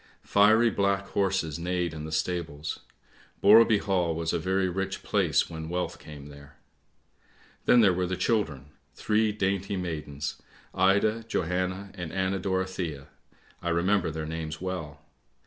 Fiery black horses neighed in the stables; Borreby Hall was a very rich place when wealth came there. " Then there were the children, three dainty maidens, Ida, Johanna and Anna Dorothea. I remember their names well.